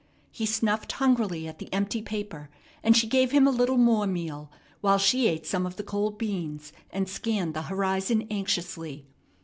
He snuffed hungrily at the empty paper, and she gave him a little more meal, while she ate some of the cold beans, and scanned the horizon anxiously.